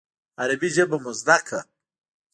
عربي ژبه مو زده کړه.